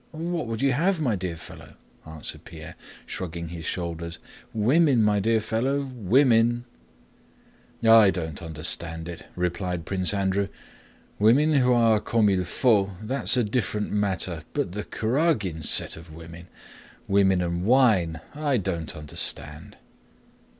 "What would you have, my dear fellow?" answered Pierre, shrugging his shoulders. "Women, my dear fellow; women!" "I don't understand it," replied Prince Andrew. "Women who are comme il faut, that's a different matter; but the Kurágins' set of women, 'women and wine' I don't understand!"